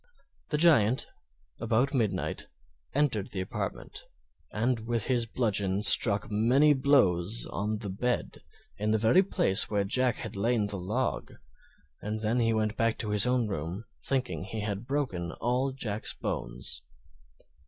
The Giant, about midnight, entered the apartment, and with his bludgeon struck many blows on the bed, in the very place where Jack had laid the log; and then he went back to his own room, thinking he had broken all Jack's bones.